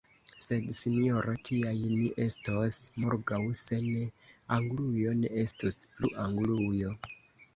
Sed, sinjoro, tiaj ni estos morgaŭ: se ne, Anglujo ne estus plu Anglujo!